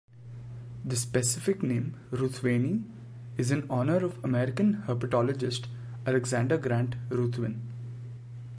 The specific name, "ruthveni", is in honor of American herpetologist Alexander Grant Ruthven.